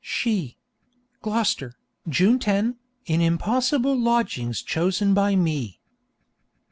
She Gloucester, June 10, In Impossible Lodgings chosen by Me.